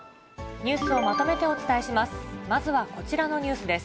ニュースをまとめてお伝えします。